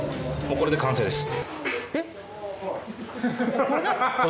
これで完成です。